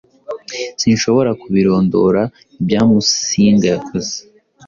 Sinshobora kubirondora ibyamusinga yakoze